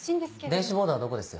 電子ボードはどこです？